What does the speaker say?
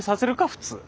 普通。